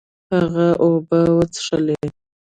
هغه اوبه وڅښلې.